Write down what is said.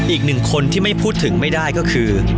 อีกหนึ่งคนที่ไม่พูดถึงไม่ได้ก็คือ